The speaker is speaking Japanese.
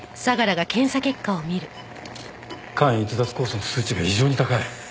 肝逸脱酵素の数値が異常に高い。